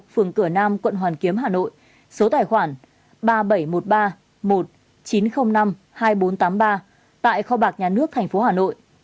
phường cửa nam quận hoàn kiếm hà nội số tài khoản ba bảy một ba một chín không năm hai bốn tám ba tại kho bạc nhà nước tp hà nội